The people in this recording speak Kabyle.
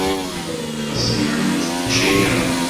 Ẓẓment ccina.